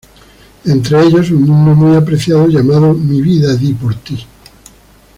Entre ellos, un himno muy apreciado, llamado: "mi vida di por ti".